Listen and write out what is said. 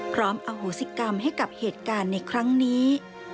อโหสิกรรมให้กับเหตุการณ์ในครั้งนี้